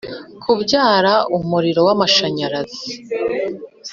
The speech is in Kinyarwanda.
kubyara umuriro w amashanyarazi